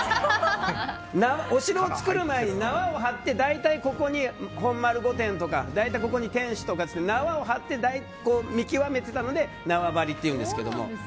お城を造る前に縄を張って大体ここに本丸御殿とか大体ここに天守とかって縄を張って見極めていたので縄張りというんです。